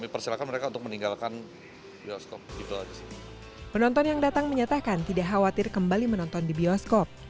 penonton yang datang menyatakan tidak khawatir kembali menonton di bioskop